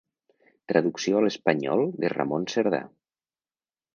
Traducció a l'espanyol de Ramon Cerdà.